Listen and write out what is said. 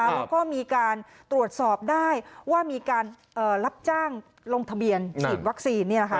แล้วก็มีการตรวจสอบได้ว่ามีการรับจ้างลงทะเบียนฉีดวัคซีน